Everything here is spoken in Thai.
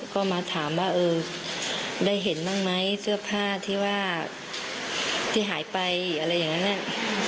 ก็มาถามว่าเออได้เห็นบ้างไหมเสื้อผ้าที่ว่าที่หายไปอะไรอย่างนั้น